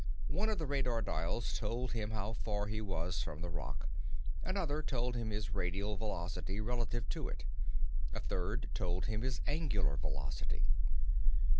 One of the radar dials told him how far he was from the rock. Another told him his radial velocity relative to it. A third told him his angular velocity.